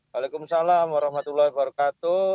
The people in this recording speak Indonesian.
waalaikumsalam warahmatullahi wabarakatuh